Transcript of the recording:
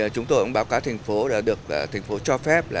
chúng tôi cũng báo cáo thành phố là được thành phố cho phép